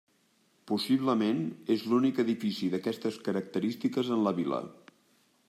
Possiblement és l'únic edifici d'aquestes característiques en la vila.